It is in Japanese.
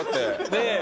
ねえ。